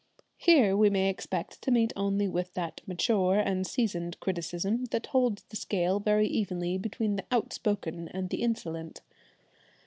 Here we may expect to meet only with that mature and seasoned criticism that holds the scale very evenly between the outspoken and the insolent.